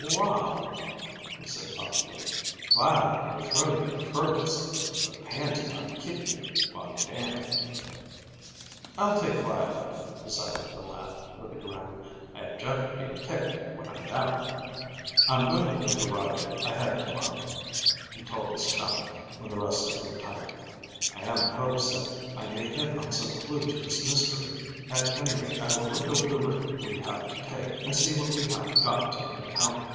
"Waal," he said thoughtfully, "Violet will throw you the furthest, but Pansy might kick you while you're down." "I'll take Violet," decided the lad, with a grin. "I object to being kicked when I'm down." "I'm going to take a ride ahead to morrow," he told his chum, when the rest had retired. "I am in hopes that I may hit on some clew to this mystery. At any rate I will look over the route we have to take, and see what we have got to encounter.